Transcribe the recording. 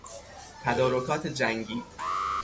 تدارکات جنگی